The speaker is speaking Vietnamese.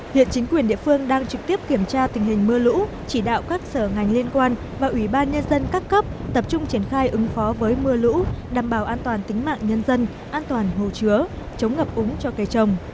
hiện chính quyền địa phương đang trực tiếp kiểm tra tình hình mưa lũ chỉ đạo các sở ngành liên quan và ủy ban nhân dân các cấp tập trung triển khai ứng phó với mưa lũ đảm bảo an toàn tính mạng nhân dân an toàn hồ chứa chống ngập úng cho cây trồng